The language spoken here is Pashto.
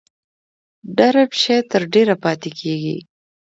نرم شی تر ډیره پاتې کیږي.